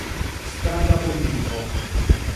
Stranga politiko.